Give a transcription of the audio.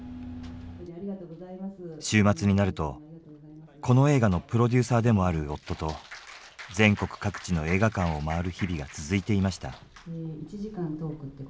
週末になるとこの映画のプロデューサーでもある夫と全国各地の映画館をまわる日々が続いていました。